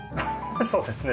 そうですね。